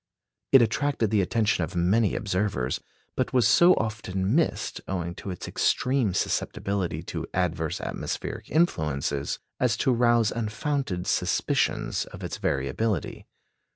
It attracted the attention of many observers, but was so often missed, owing to its extreme susceptibility to adverse atmospheric influences, as to rouse unfounded suspicions of its variability.